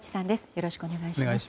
よろしくお願いします。